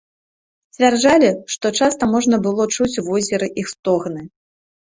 Сцвярджалі, што часта можна было чуць у возеры іх стогны.